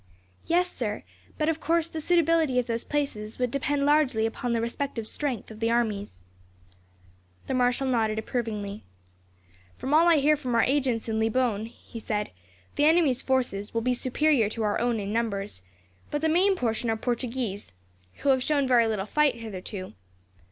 "Yes, sir; but of course, the suitability of those places would depend largely upon the respective strength of the armies." The marshal nodded approvingly. "From all I hear from our agents in Lisbon," he said, "the enemy's forces will be superior to our own in numbers, but the main portion are Portuguese, who have shown very little fight, hitherto.